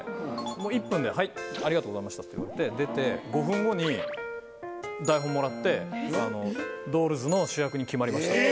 １分で「ありがとうございました」って言われて出て５分後に台本もらって「『Ｄｏｌｌｓ』の主役に決まりました」って。